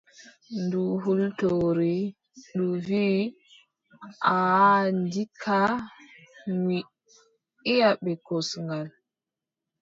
Ndu hultori. Ndu wiʼi: aaʼa ndikka mi iʼa bee kosngal.